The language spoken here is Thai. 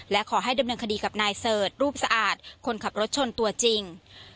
และขอให้ดำเนินคดีกับนายเสิร์ชรูปสะอาดคนขับรถชนตัวจริง